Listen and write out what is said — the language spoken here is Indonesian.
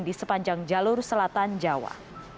di sepanjang jalur selatan jawa